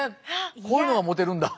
こういうのがモテるんだ。